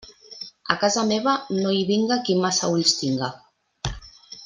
A casa meva no hi vinga qui massa ulls tinga.